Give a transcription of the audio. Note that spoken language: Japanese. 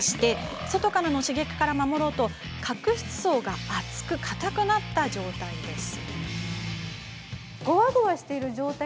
外からの刺激から守ろうと角質層が厚くかたくなった状態です。